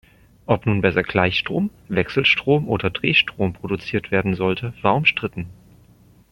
Ob nun besser Gleichstrom, Wechselstrom oder Drehstrom produziert werden sollte, war umstritten.